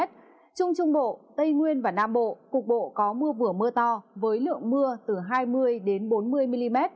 trung trung bộ tây nguyên và nam bộ cục bộ có mưa vừa mưa to với lượng mưa từ hai mươi bốn mươi mm